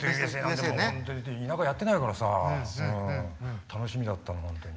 田舎やってないからさ楽しみだった本当に。